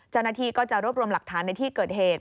จานนาทีก็จะรวมหลักฐานในที่เกิดเหตุ